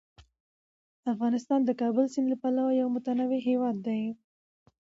افغانستان د کابل سیند له پلوه یو متنوع هیواد دی.